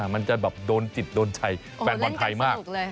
มันจะแบบโดนจิตโดนใจแฟนบอลไทยมาก